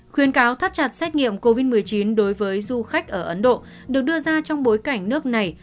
khuyên cáo thắt chặt xét nghiệm covid một mươi chín đối với du khách ở ấn độ được đưa ra trong bối cảnh nước này